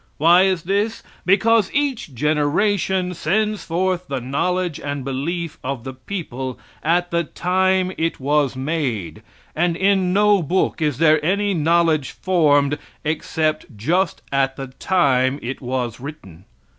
Why is this? Because each generation sends forth the knowledge and belief of the people at the time it was made, and in no book is there any knowledge formed, except just at the time it was written.